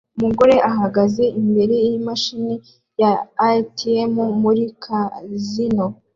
Umugore ahagaze imbere yimashini ya atm muri kazino